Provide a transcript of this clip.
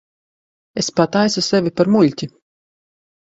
Es pataisu sevi par muļķi.